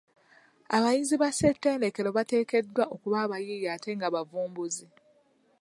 Abayizi ba ssetendekero bateekeddwa okuba abayiiya ate nga bavumbuzi.